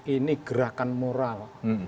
ini gerakan moral